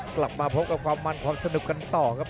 กลับมาพบกับความมันความสนุกกันต่อครับ